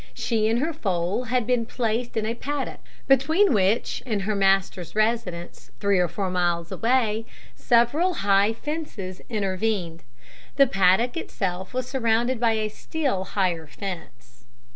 She and her foal had been placed in a paddock, between which and her master's residence, three or four miles away, several high fences intervened. The paddock itself was surrounded by a still higher fence.